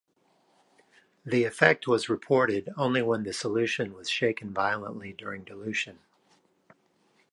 The effect was reported only when the solution was shaken violently during dilution.